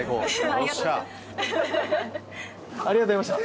ありがとうございます。